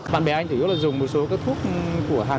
bạn bè anh chủ yếu là dùng một số cái thuốc của hàng